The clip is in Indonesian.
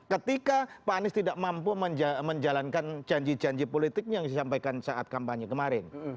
ketika pak anies tidak mampu menjalankan janji janji politik yang disampaikan saat kampanye kemarin